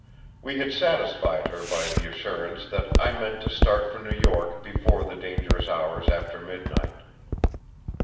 We had satisfied her by the assurance that I meant to start for New York before the dangerous hours after midnight.